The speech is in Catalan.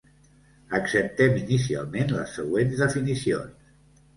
Acceptem inicialment les següents definicions.